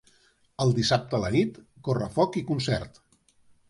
El dissabte a la nit, correfoc i concert.